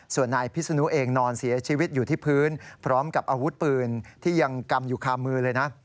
ส่วนนายพิศนุเองนอนเสียชีวิตอยู่ที่พื้นพร้อมกับอาวุธปืนที่ยังกำอยู่คามือเลยนะ